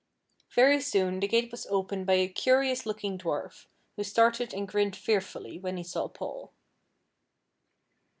Very soon the gate was opened by a curious looking dwarf, who started and grinned fearfully when he saw Paul.